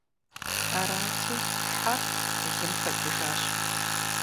Арати, хьэр лым хэкӀыжащ.